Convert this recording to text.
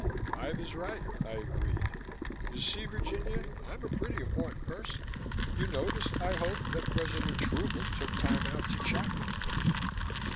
"Five is right," I agreed. "You see, Virginia, I'm a pretty important person. You noticed, I hope, that President Truman took time out to chat with me."